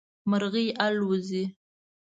مرغی الوزي